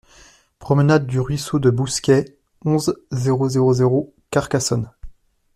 Promenade du Ruisseau de Bousquet, onze, zéro zéro zéro Carcassonne